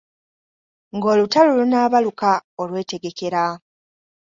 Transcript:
"Ng’olutalo lunaabaluka, olwetegekera."